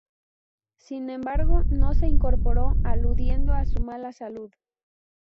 Sin embargo, no se incorporó, aludiendo a su mala salud.